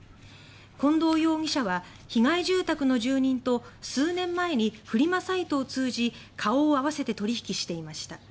近藤容疑者は被害住宅の住人と数年前にフリマサイトを通じ顔を合わせて取引していました。